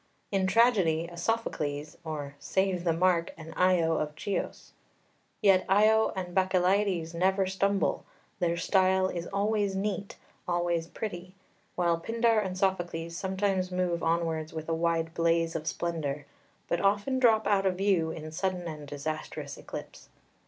in tragedy a Sophocles or (save the mark!) an Io of Chios? Yet Io and Bacchylides never stumble, their style is always neat, always pretty; while Pindar and Sophocles sometimes move onwards with a wide blaze of splendour, but often drop out of view in sudden and disastrous eclipse.